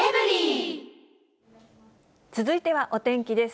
続いてはお天気です。